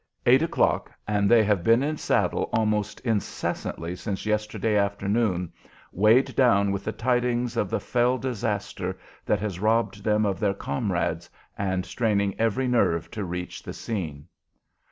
Eight o'clock, and they have been in saddle almost incessantly since yesterday afternoon, weighed down with the tidings of the fell disaster that has robbed them of their comrades, and straining every nerve to reach the scene.